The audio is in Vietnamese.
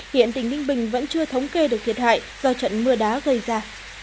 hiện tỉnh ninh bình vẫn chưa thống kê được thiệt hại do trận mưa đá gây ra